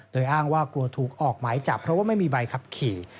โดยอ้างว่ากลัวถูกออกหมายจับเพราะว่าไม่มีใบขับขี่